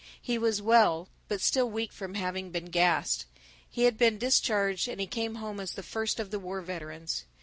He was well, but still weak from having been gassed; he had been discharged and he came home as the first of the war veterans.